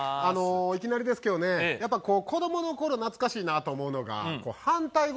いきなりですけどねやっぱ子供の頃懐かしいなと思うのが反対語